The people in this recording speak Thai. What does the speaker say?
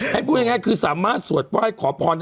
ให้พูดอย่างงี้คือสามารถสวดไหว้ขอพร